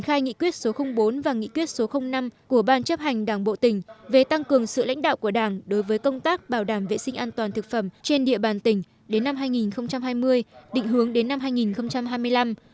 hội nghị còn quán triệt triển khai kết luận số bốn và năm của ban chấp hành đảng bộ tỉnh về tăng cường sự lãnh đạo của đảng đối với công tác bảo đảm vệ sinh an toàn thực phẩm trên địa bàn tỉnh đến năm hai nghìn hai mươi định hướng đến năm hai nghìn hai mươi năm